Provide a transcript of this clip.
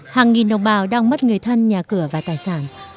hàng nghìn đồng bào đang mất người thân nhà cửa và tài sản